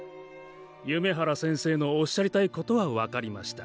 夢原先生のおっしゃりたいことは分かりました。